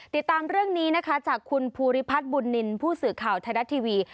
ติดตามเรื่องนี้นะคะจากคุณภูริพัฒน์บุญนินทร์ผู้สื่อข่าวไทยรัฐทีวี